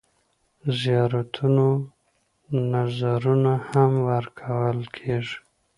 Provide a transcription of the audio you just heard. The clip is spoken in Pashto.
د زیارتونو نذرونه هم ورکول کېږي.